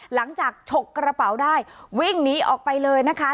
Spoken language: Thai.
ฉกกระเป๋าได้วิ่งหนีออกไปเลยนะคะ